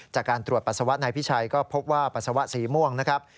จากการตรวจปัสสาวะนายพิชัยก็พบว่าปัสสาวะสีม่วงนะครับ